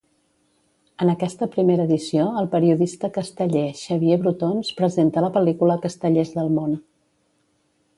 En aquesta primera edició el periodista casteller Xavier Brotons presenta la pel·lícula Castellers del món.